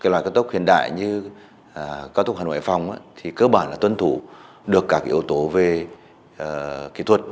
loại cao tốc hiện đại như cao tốc hà nội hải phòng thì cơ bản là tuân thủ được các yếu tố về kỹ thuật